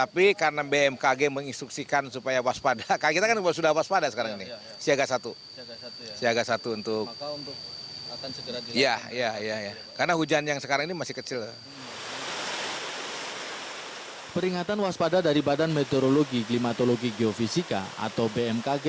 peringatan waspada dari badan meteorologi klimatologi geofisika atau bmkg